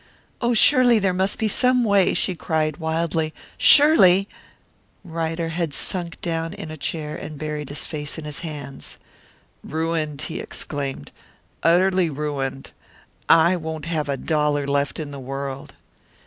"Oh, surely there must be some way," she cried, wildly. "Surely " Ryder had sunk down in a chair and buried his face in his hands. "Ruined!" he exclaimed. "Utterly ruined! I won't have a dollar left in the world."